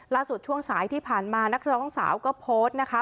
ล่าสุดช่วงสายที่ผ่านมานักทรงสาวก็โพสต์นะคะ